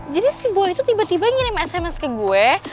jadi si boy itu tiba tiba ngirim sms ke gue